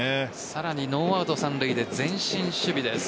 さらにノーアウト三塁で前進守備です。